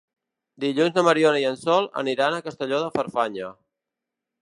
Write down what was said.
Dilluns na Mariona i en Sol aniran a Castelló de Farfanya.